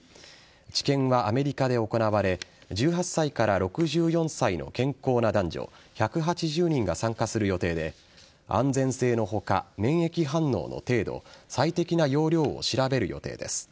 治験はアメリカで行われ１８歳から６４歳の健康な男女１８０人が参加する予定で安全性の他、免疫反応の程度最適な用量を調べる予定です。